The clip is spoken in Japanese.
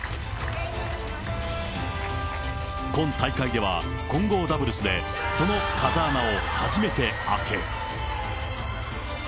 今大会では混合ダブルスで、その風穴を初めて開け。